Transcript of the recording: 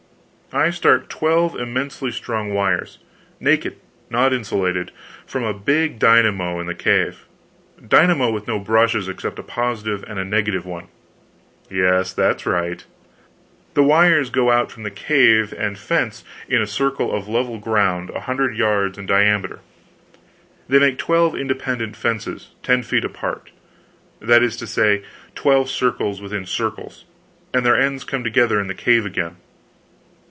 "I start twelve immensely strong wires naked, not insulated from a big dynamo in the cave dynamo with no brushes except a positive and a negative one " "Yes, that's right." "The wires go out from the cave and fence in a circle of level ground a hundred yards in diameter; they make twelve independent fences, ten feet apart that is to say, twelve circles within circles and their ends come into the cave again."